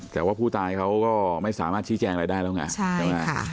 แต่ว่าผู้ตายเขาก็ไม่สามารถชี้แจงอะไรได้แล้วไงใช่ไหม